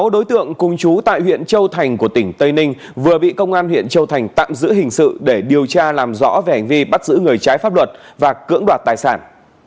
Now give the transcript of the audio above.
sáu đối tượng cùng chú tại huyện châu thành của tỉnh tây ninh vừa bị công an huyện châu thành tạm giữ hình sự để điều tra làm rõ về hành vi bắt giữ người trái pháp luật và cưỡng đoạt tài sản